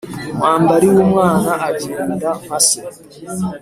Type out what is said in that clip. Umwambari w’umwana agenda nka se.